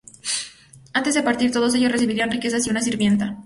Antes de partir, todos ellos recibirían riquezas y una sirvienta.